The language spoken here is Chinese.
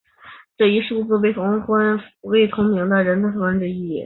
这一数字相当于所有未婚或未同居的人口的四分之一。